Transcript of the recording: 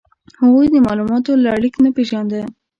هغوی د مالوماتو لړلیک نه پېژانده.